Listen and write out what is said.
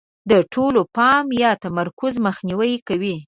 د ټول پام یا تمرکز مخنیوی کوي.